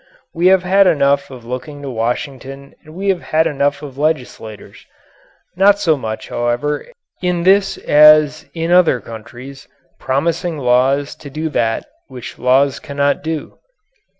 We have had enough of looking to Washington and we have had enough of legislators not so much, however, in this as in other countries promising laws to do that which laws cannot do.